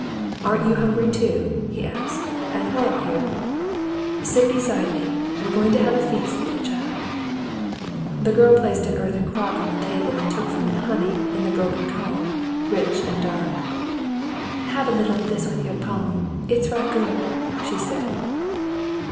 "Aren't you hungry, too ?" he asked, "and Hoyle, here } Sit beside me ; we're going to have a feast, little chap." The girl placed an earthen crock on the table and took from it honey in the broken comb, rich and dark. " Have a little of this with your pone. It's right good," she said.